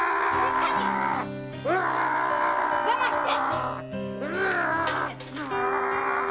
我慢して！